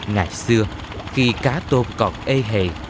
ngày xưa khi cá tôm còn ê hề